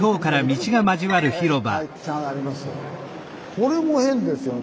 これも変ですよね。